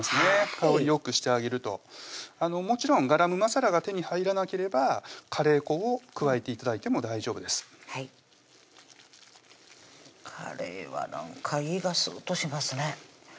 香りよくしてあげるともちろんガラムマサラが手に入らなければカレー粉を加えて頂いても大丈夫ですカレーはなんか胃がすっとしますね